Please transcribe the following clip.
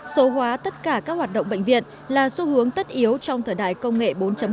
số hóa tất cả các hoạt động bệnh viện là xu hướng tất yếu trong thời đại công nghệ bốn